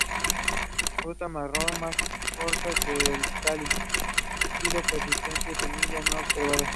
Fruta marrón, más corta que el cáliz; estilo persistente, semillas no observadas.